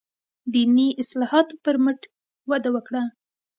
دیني اصلاحاتو پر مټ وده وکړه.